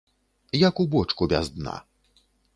Як у бочку без дна.